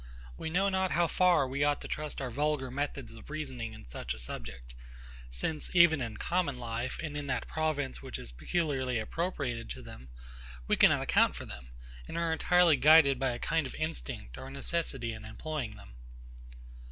We know not how far we ought to trust our vulgar methods of reasoning in such a subject; since, even in common life, and in that province which is peculiarly appropriated to them, we cannot account for them, and are entirely guided by a kind of instinct or necessity in employing them.